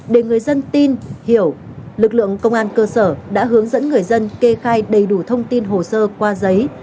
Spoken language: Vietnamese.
để người dân tin hiểu lực lượng công an cơ sở đã hướng dẫn người dân kê khai đầy đủ thông tin hồ sơ qua giấy